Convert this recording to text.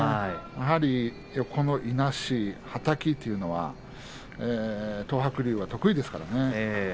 やはり、いなしはたきというのは東白龍は得意ですからね。